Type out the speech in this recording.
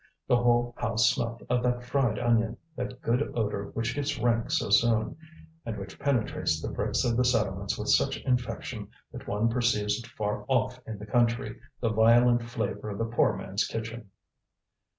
The whole house smelt of that fried onion, that good odour which gets rank so soon, and which penetrates the bricks of the settlements with such infection that one perceives it far off in the country, the violent flavour of the poor man's kitchen.